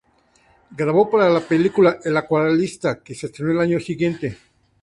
Grabó para la película "El acuarelista", que se estrenó el año siguiente.